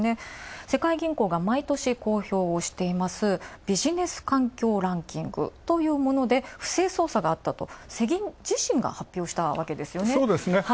世界銀行が毎年公表していますビジネス環境ランキングというもので不正操作があったと世銀自身が発表したわけですね。